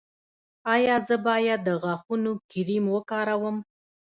ایا زه باید د غاښونو کریم وکاروم؟